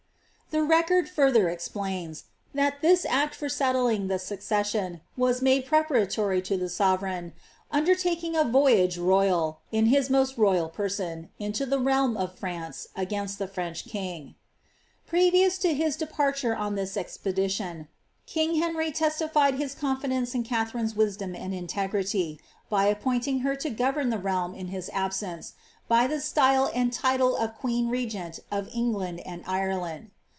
The record further explains, that this act for settling the succession^ » made preparatory to the sovereign " undertaking a voyage royal, in most royal person, into the r^m of France against the French g." ' Previous to his departure on this expedition, king Henry tes •d his confidence in Katharine''s wisdom and integrity, by appointing to govern the realm in his absence, by the style and title of queen »nt of England and Ireland.